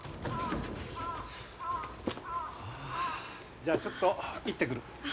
じゃあちょっと行ってくる。